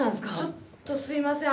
ちょっとすいません